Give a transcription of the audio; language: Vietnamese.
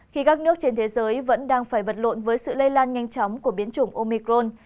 khi các nước trên thế giới vẫn đang phải vật lộn với sự lây lan nhanh chóng của biến chủng omicron